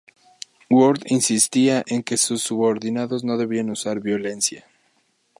Worth insistía en que sus subordinados no debían usar violencia.